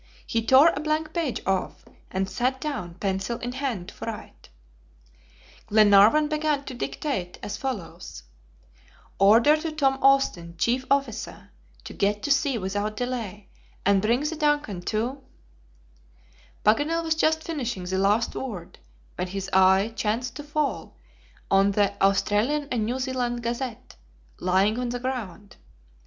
He tore a blank page off, and sat down pencil in hand to write. Glenarvan began to dictate as follows: "Order to Tom Austin, Chief Officer, to get to sea without delay, and bring the DUNCAN to " Paganel was just finishing the last word, when his eye chanced to fall on the Australian and New Zealand Gazette lying on the ground.